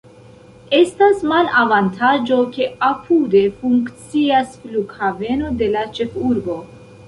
Estas malavantaĝo, ke apude funkcias flughaveno de la ĉefurbo.